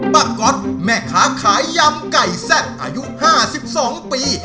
ก๊อตแม่ค้าขายยำไก่แซ่บอายุ๕๒ปี